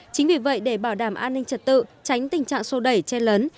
chính vì vậy để bảo đảm an ninh trật tự tránh tình trạng sô đẩy che lấn